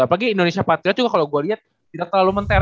apalagi indonesia patriot juga kalau gue lihat tidak terlalu mentereng